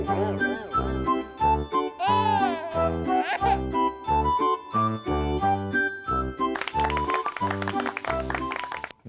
โอ้โฮ